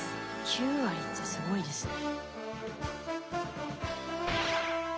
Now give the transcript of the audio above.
９割ってすごいですね。